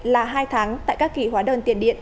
là hai tháng tại các kỳ hóa đơn tiền điện